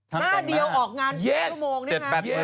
หน้าเดียวออกงานเท่าไหร่ต่อทุกชั่วโมงเนี่ยนะ